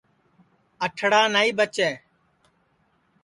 اٹھڑا نائی بچے